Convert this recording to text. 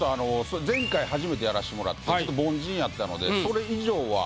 前回初めてやらしてもらって凡人やったのでそれ以上は。